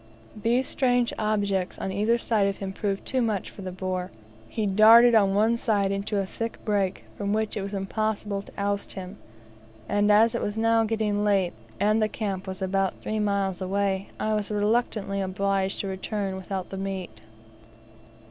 These strange objects on either side of him proved too much for the boar, for, with a terrific grunt, he darted on one side into a thick brake, from which it was impossible to oust him, and as it was now getting late, and the camp was about three miles away, I was reluctantly obliged to return without the meat.